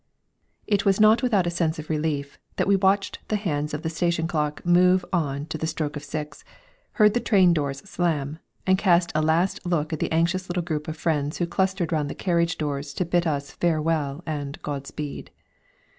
_ It was not without a sense of relief that we watched the hands of the station clock move on to the stroke of six, heard the train doors slam, and cast a last look at the anxious little group of friends who clustered round the carriage doors to bid us farewell and God speed.